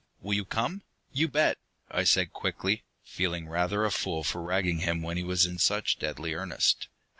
Will you come?" "You bet!" I said quickly, feeling rather a fool for ragging him when he was in such deadly earnest.